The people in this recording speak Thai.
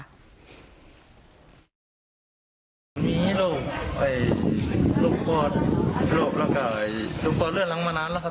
ครบนี้โรคอิงโรคกอตแล้วก็อิงโรคกอตเหลื่อนล้างมานานแล้วค่ะ